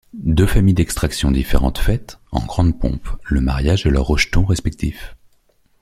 Deux familles d'extraction différente fêtent, en grande pompe, le mariage de leurs rejetons respectifs.